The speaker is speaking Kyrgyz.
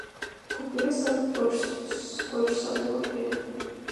Көпүрө салып коюшса болот беле?